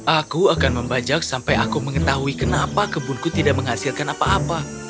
aku akan membajak sampai aku mengetahui kenapa kebunku tidak menghasilkan apa apa